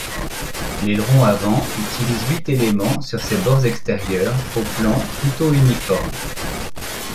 L'aileron avant utilise huit éléments sur ses bords extérieurs, aux plans plutôt uniformes.